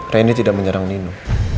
randy tidak menyerang nino